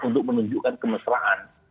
untuk menunjukkan kemesraan